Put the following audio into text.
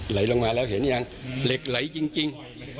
ไหลลงมาแล้วเห็นยังเหล็กไหลจริง